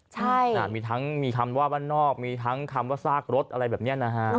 ใช่ค่ะมีทั้งมีคำว่าบ้านนอกมีทั้งคำว่าซากรถอะไรแบบนี้นะฮะ